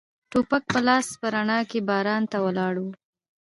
ټوپک په لاس په رڼا کې باران ته ولاړ و.